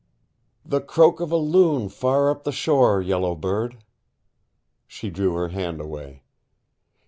"The croak of a loon far up the shore, Yellow Bird." She drew her hand away.